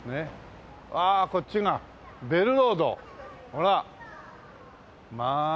ほらまあ